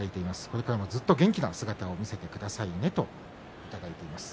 これからもずっと元気な姿を見せてくださいねといただいています。